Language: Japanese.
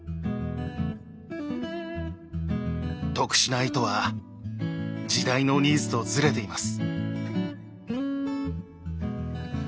特殊な糸は時代のニーズとずれています。